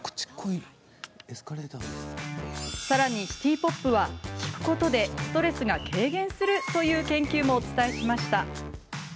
さらに、シティ・ポップは聴くことでストレスが軽減するという研究もお伝えしました。